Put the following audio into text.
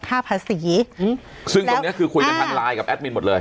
ค่าภาษีอืมซึ่งตรงเนี้ยคือคุยกันทางไลน์กับแอดมินหมดเลย